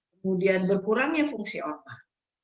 kemudian berkurangnya fungsi otak